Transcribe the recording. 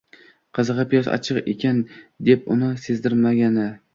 Qizig‘i, «Piyoz achchiq ekan» deb buni sezdirmagandi.